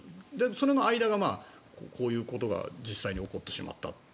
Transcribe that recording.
その間がこういうことが実際に起こってしまった。